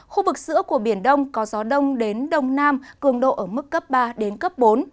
khu vực giữa của biển đông có gió đông đến đông nam cường độ ở mức cấp ba đến cấp bốn